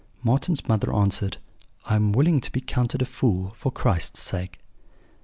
"Marten's mother answered: 'I am willing to be counted a fool for Christ's sake.'